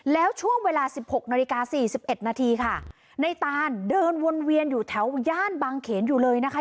แล้วช่วงเวลาสิบหกนาฬิกาสี่สิบเอ็ดนาทีค่ะในตานเดินวนเวียนอยู่แถวย่านบางเขนอยู่เลยนะคะ